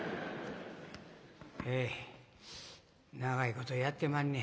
え長いことやってまんねん。